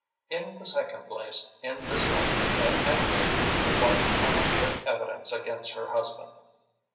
In the second place, in this country, at any rate, a wife cannot give evidence against her husband."